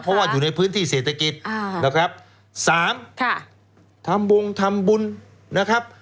เพราะว่าอยู่ในพื้นที่เศรษฐกิจนะครับสามค่ะทำวงทำบุญนะครับ